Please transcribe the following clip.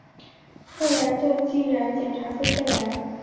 后来就竟然检查出肺癌